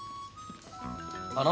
あの。